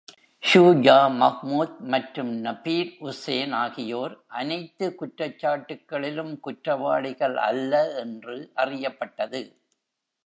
ஷூஜா மஹ்மூத் மற்றும் நபீல் உசேன் ஆகியோர் அனைத்து குற்றச்சாட்டுகளிலும் குற்றவாளிகள் அல்ல என்று அறியப்பட்டது.